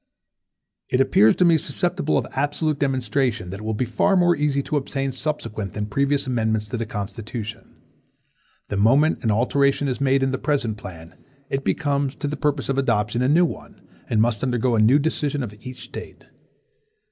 It appears to me susceptible of absolute demonstration, that it will be far more easy to obtain subsequent than previous amendments to the Constitution. The moment an alteration is made in the present plan, it becomes, to the purpose of adoption, a new one, and must undergo a new decision of each State.